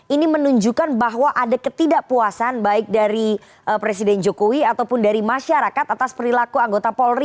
ini menunjukkan bahwa ada ketidakpuasan baik dari presiden jokowi ataupun dari masyarakat atas perilaku anggota polri